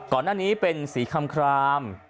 ก่อนหน้านี้เป็นสีคำคลาม